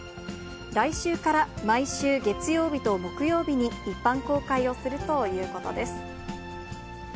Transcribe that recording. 来週から毎週月曜日と木曜日に一般公開をするということです。